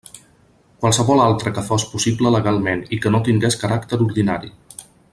Qualsevol altre que fos possible legalment i que no tingués caràcter ordinari.